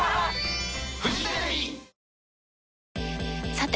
さて！